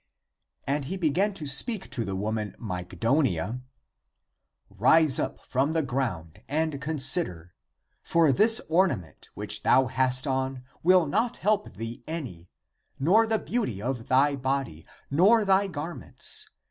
And he began to speak to the woman Mygdonia :" Rise up from the ground and consider. For this ornament which thou hast on will not help thee any, nor the beauty of thy body, nor thy garments.